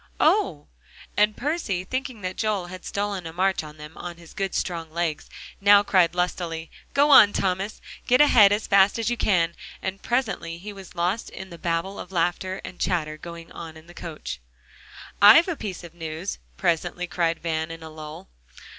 "Oh!" and Percy, thinking that Joel had stolen a march on them on his good strong legs, now cried lustily, "Go on, Thomas; get ahead as fast as you can," and presently he was lost in the babel of laughter and chatter going on in the coach. "I've a piece of news," presently cried Van in a lull.